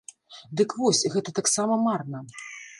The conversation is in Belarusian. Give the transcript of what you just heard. Дык вось, гэта таксама марна!